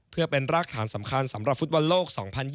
เพื่อเป็นรากฐานสำคัญสำหรับฟุตบอลโลก๒๐๒๐